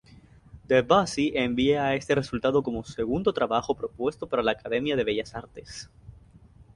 Debussy envía este resultado como segundo trabajo propuesto para la Academia de bellas artes.